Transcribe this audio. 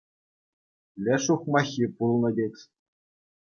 Леш ухмаххи пулнӑ, тет.